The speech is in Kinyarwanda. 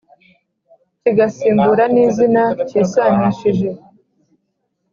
kigasimbura ni zina kisanishije